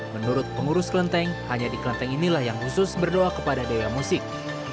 menurut pengurus kelenteng hanya di kelenteng inilah yang khusus berdoa kepada dewa musik